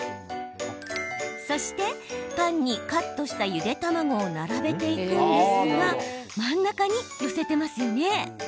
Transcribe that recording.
そして、パンにカットしたゆで卵を並べていくんですが真ん中に寄せていますよね。